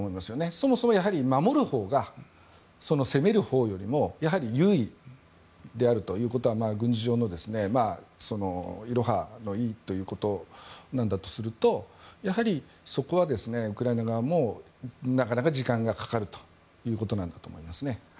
そもそも守るほうが攻めるほうよりも優位であるということは軍事上の、いろはの「い」ということなんだとするとやはり、そこはウクライナ側もなかなか時間がかかるということなんだと思いますね。